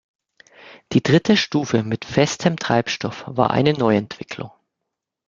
Die dritte Stufe mit festem Treibstoff war eine Neuentwicklung.